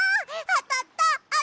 あたった！